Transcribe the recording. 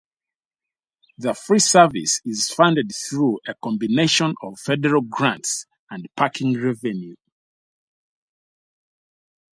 The free service is funded through a combination of federal grants and parking revenue.